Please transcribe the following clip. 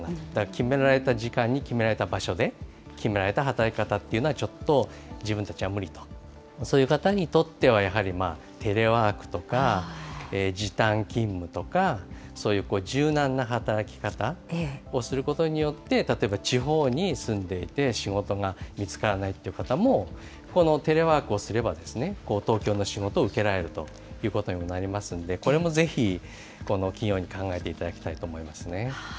決められた時間に決められた場所で、決められた働き方っていうのは、ちょっと自分たちには無理と、そういう方にとってはやはりテレワークとか、時短勤務とか、そういう柔軟な働き方をすることによって、例えば、地方に住んでいて、仕事が見つからないっていう方も、このテレワークをすれば、東京の仕事を受けられるということにもなりますので、これもぜひ、企業に考えていただきたいと思いますね。